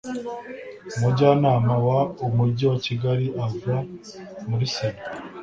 Umujyanama w Umujyi wa Kigali ava muri sena